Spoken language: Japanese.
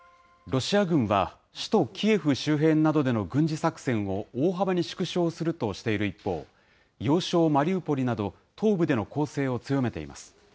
ロシア軍は、首都キエフ周辺などでの軍事作戦を大幅に縮小するとしている一方、要衝、マリウポリなど、東部での攻勢を強めています。